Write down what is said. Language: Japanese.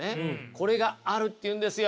これがあるっていうんですよ。